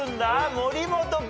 森本君。